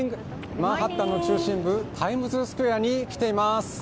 マンハッタンの中心部タイムズスクエアに来ています。